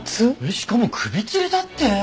しかも首つりだって！